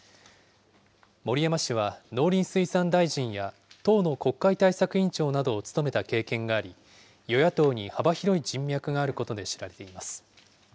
森山氏は、農林水産大臣や党の国会対策委員長などを務めた経験があり、与野党に幅広い人脈があることで知られています。